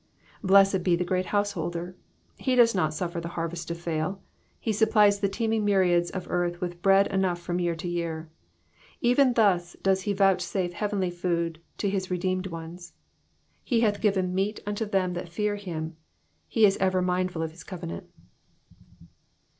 Blessed be the Great Householder ; he does not suffer the harvest to fail, he supplies the teeming myriads of earth with bread enough from year to year. Even thus does he vouchsafe heavenly food to his redeemed ones :^* He hath given meat unto them that fear him ; he is ever mindful of his covenant.'